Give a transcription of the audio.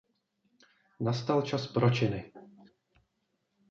Nastal čas pro činy.